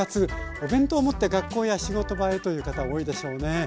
お弁当を持って学校や仕事場へという方多いでしょうね。